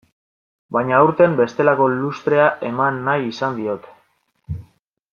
Baina aurten bestelako lustrea eman nahi izan diote.